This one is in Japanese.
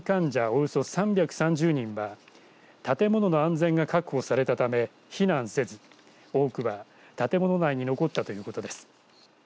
およそ３３０人は建物の安全が確保されたため避難せず多くは、建物内に残ったということです。